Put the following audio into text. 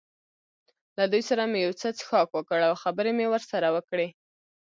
له دوی سره مې یو څه څښاک وکړ او خبرې مې ورسره وکړې.